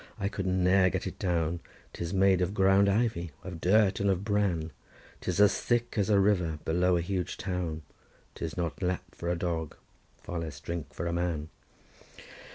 I could ne'er get it down, 'Tis made of ground ivy, of dirt, and of bran, 'Tis as thick as a river below a huge town! 'Tis not lap for a dog, far less drink for a man.